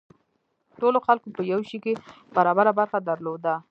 ټولو خلکو په یو شي کې برابره برخه درلوده.